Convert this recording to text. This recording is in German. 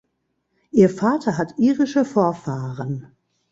Ihr Vater hat irische Vorfahren.